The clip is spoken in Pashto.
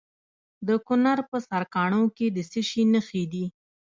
د کونړ په سرکاڼو کې د څه شي نښې دي؟